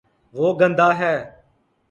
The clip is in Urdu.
وہ گندا ہے